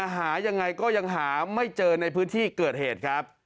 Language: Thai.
หายังไงก็ยังหาไม่เจอในพื้นที่เกิดเหตุครับ